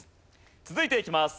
続いていきます。